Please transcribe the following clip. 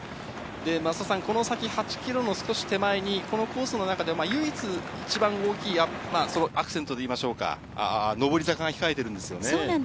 増田さん、この先の８キロの少し手前に、このコースの中で唯一、一番大きいアクセントといいましょうか、そうなんですよね。